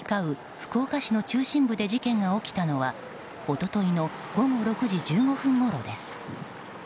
福岡市の中心部で事件が起きたのは一昨日の午後６時１５分ごろです。